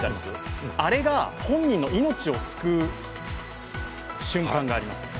あれが本人の命を救う瞬間があります。